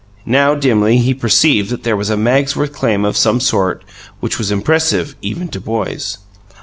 Now, dimly, he perceived that there was a Magsworth claim of some sort which was impressive, even to boys.